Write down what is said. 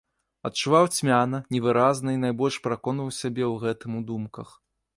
Адчуваў цьмяна, невыразна і найбольш пераконваў сябе ў гэтым у думках.